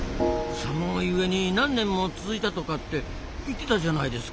寒い上に何年も続いたとかって言ってたじゃないですか。